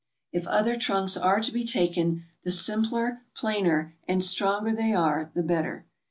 If other trunks are to be taken, the simpler, plainer nad stronger they are, the better.